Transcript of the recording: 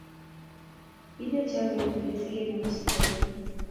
Kilecho ketuiye si kemuch ke ng'alal